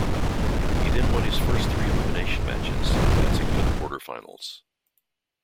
He then won his first three elimination matches, advancing to the quarterfinals.